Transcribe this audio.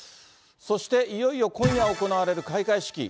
そして、いよいよ今夜行われる開会式。